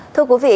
thưa quý vị